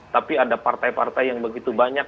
tapi ada partai partai yang begitu banyak